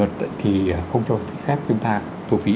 thì không cho phí phép chúng ta thu phí